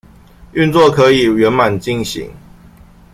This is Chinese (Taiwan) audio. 運作可以圓滿進行